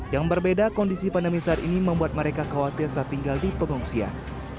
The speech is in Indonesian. yang berbeda kondisi pandemi saat ini membuat mereka khawatir saat tinggal di pengungsian